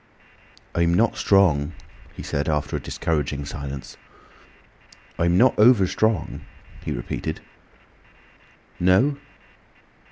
"I'm not strong," he said after a discouraging silence. "I'm not over strong," he repeated. "No?"